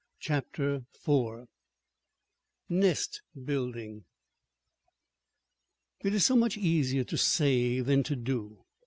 CHAPTER IV NEST BUILDING It is so much easier to say than to do.